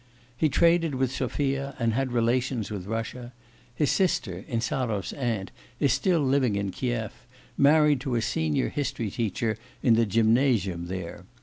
He traded with Sophia, and had relations with Russia; his sister, Insarov's aunt, is still living in Kiev, married to a senior history teacher in the gymnasium there.